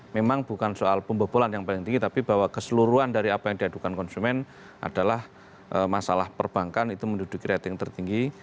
memang bukan soal pembobolan yang paling tinggi tapi bahwa keseluruhan dari apa yang diadukan konsumen adalah masalah perbankan itu menduduki rating tertinggi